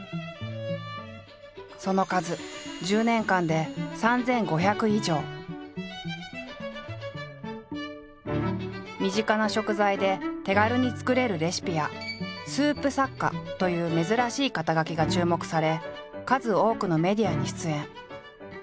その数身近な食材で手軽に作れるレシピや「スープ作家」という珍しい肩書が注目され数多くのメディアに出演。